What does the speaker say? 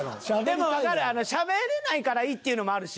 でもわかるしゃべれないからいいっていうのもあるしな。